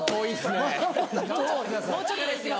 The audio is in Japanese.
もうちょっとですよ。